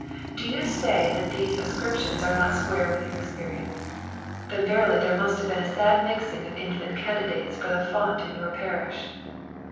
Do you say that these ascriptions are not square with your experience? Then verily there must have been a sad mixing of infant candidates for the font in your parish.